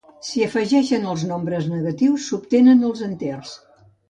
Si s'afegeixen nombres negatius, s'obtenen els enters.